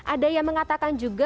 ada yang mengatakan juga